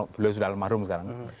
beliau sudah almarhum sekarang